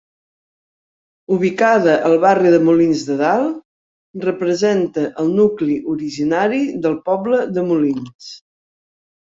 Ubicada al barri de Molins de dalt, representa el nucli originari del poble de Molins.